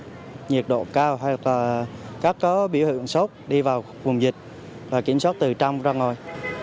với nhiệt độ cao hay các biểu hiện sốc đi vào vùng dịch và kiểm soát từ trong ra ngoài